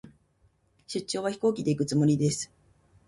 出張は、飛行機で行くつもりです。